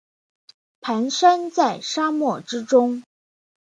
蹒跚在沙漠之中